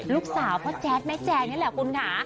ลูกสาวพ่อแจ๊ดแม่แจงนี่แหละคุณค่ะ